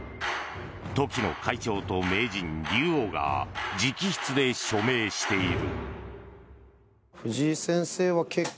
時の会長と名人・竜王が直筆で署名している。